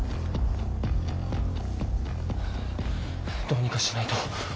どうにかしないと。